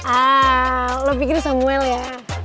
ah lo pikir samuel ya